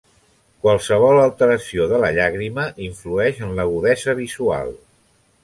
Qualsevol alteració de la llàgrima influeix en l'agudesa visual.